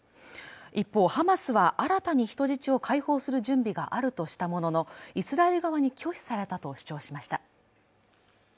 一方、ハマスは新たに人質を解放する準備があるとしたものの、イスラエル側に拒否されたと主張しました。